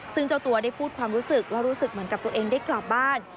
ซึ่งเจ้าตัวได้พูดความรู้สึกว่ารู้สึกเหมือนกับตัวเองได้กลับบ้าน